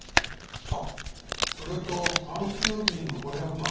あっそれとタンス預金の５００万